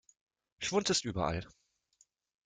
Schwund ist überall.